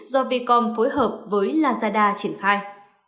do vcom phối hợp với lazada triển khai